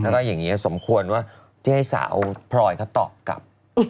แล้วก็อย่างนี้สมควรว่าที่ให้สาวพลอยเขาตอบกลับ